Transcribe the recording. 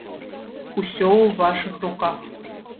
Усё ў вашых руках!